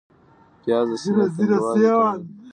پیاز د سینې تنګوالی کموي